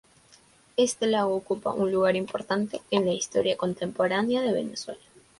Este lago ocupa un lugar importante en la historia contemporánea de Venezuela.